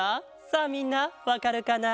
さあみんなわかるかな？